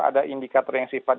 ada indikator yang sifatnya